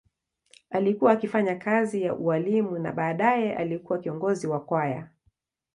Alikuwa akifanya kazi ya ualimu na baadaye alikuwa kiongozi wa kwaya.